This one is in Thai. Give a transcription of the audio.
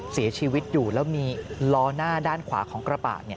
เสียชีวิตอยู่แล้วมีล้อหน้าด้านขวาของกระบะ